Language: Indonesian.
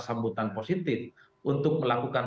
sambutan positif untuk melakukan